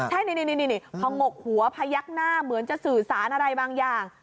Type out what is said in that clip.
ใช่นี่พองกหัวพยักหน้าเหมือนจะสื่อสารอะไรบางอย่าง